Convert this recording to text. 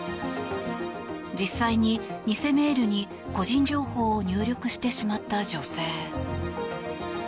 実際に偽メールに個人情報を入力してしまった女性。